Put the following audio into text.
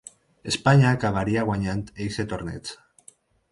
Espanya acabaria guanyant eixe torneig.